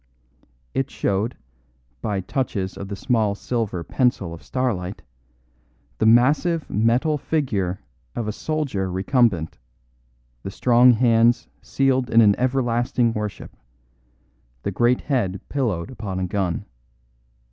It showed, by touches of the small silver pencil of starlight, the massive metal figure of a soldier recumbent, the strong hands sealed in an everlasting worship, the great head pillowed upon a gun.